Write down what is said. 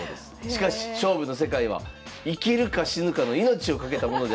しかし勝負の世界は生きるか死ぬかの命を懸けたものであるべきなんだ。